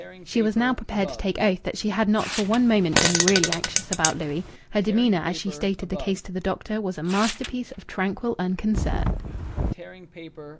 She was now prepared to take oath that she had not for one moment been really anxious about Louis. Her demeanour, as she stated the case to the doctor, was a masterpiece of tranquil unconcern.